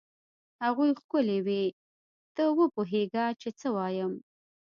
هغوی ښکلې وې؟ ته وپوهېږه چې څه وایم.